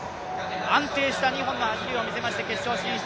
安定した２本の走りを見せまして決勝進出。